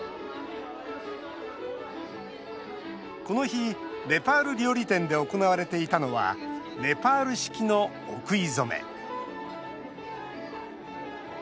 この日、ネパール料理店で行われていたのはネパール式のお食い初め。